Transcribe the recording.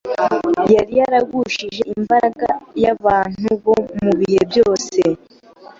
yari yaragushije imbaga y’abantu bo mu bihe byose